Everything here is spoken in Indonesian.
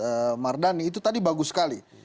ustadz mardani itu tadi bagus sekali